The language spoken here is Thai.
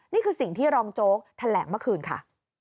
นี่คือสิ่งที่รองโจ๊กแถลงเมื่อคืนค่ะ